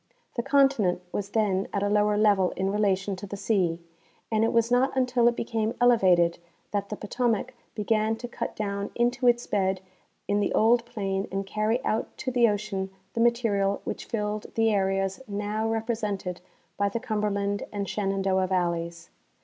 The continent was then at a lower level in relation to the sea, and it Avas not until it became elevated that the Potomac began to cut doAvn into its bed in the old plain and carry out to the ocean the material Avhich filled the areas now 88 C. D. Walcoit — The Geologist at Blue 3Iomitain. represented by the Cumberland and Shenandoah valleys.